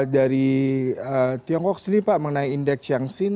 dari tiongkok sendiri pak mengenai indeks yang sin